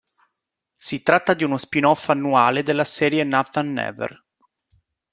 Si tratta di uno spin-off annuale della serie Nathan Never.